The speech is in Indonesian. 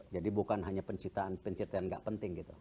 jadi bukan hanya penciptaan penciptaan gak penting gitu